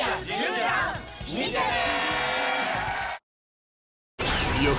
見てね！